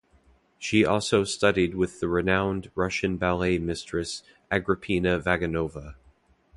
She also studied with the renowned Russian ballet mistress Agrippina Vaganova.